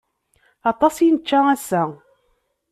Aṭas i nečča ass-a.